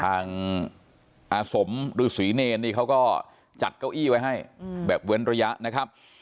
อาสมฤษีเนรนี่เขาก็จัดเก้าอี้ไว้ให้แบบเว้นระยะนะครับ